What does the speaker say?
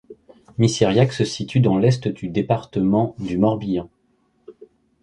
Missiriac se situe dans l'est du département du Morbihan.